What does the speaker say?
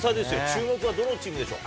注目はどのチームでしょう。